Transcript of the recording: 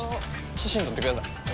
写真撮ってください。